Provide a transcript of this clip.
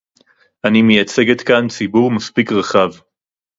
אני מייצגת כאן ציבור מספיק רחב